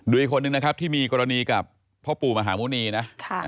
อีกคนนึงนะครับที่มีกรณีกับพ่อปู่มหาหมุณีนะ